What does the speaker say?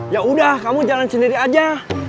ya udah kamu jalan sendiri aja